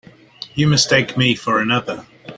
You mistake me for another.